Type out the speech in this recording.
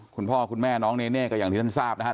คุณพ่อคุณแม่น้องเนเน่ก็อย่างที่ท่านทราบนะครับ